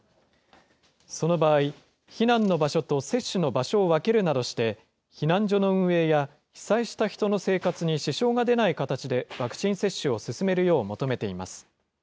その場合、避難の場所と接種の場所を分けるなどして、避難所の運営や被災した人の生活に支障が出ない形で、ワクチン接種を進めるよう求めています。